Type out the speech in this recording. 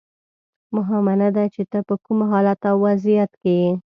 مهمه نه ده چې ته په کوم حالت او وضعیت کې یې.